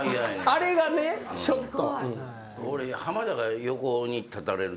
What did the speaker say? あれがねちょっと。